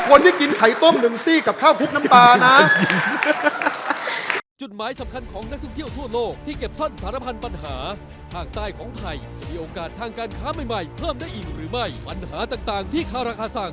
วันนี้กินไข่ต้มหนึ่งซี่กับข้าวพุกน้ำปลานะ